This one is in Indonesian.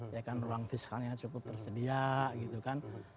ya kan ruang fiskalnya cukup tersedia